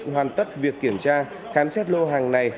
hoàn tất việc kiểm tra khám xét lô hàng này